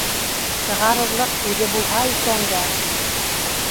— Сығарырлыҡ күҙе булһа икән дә...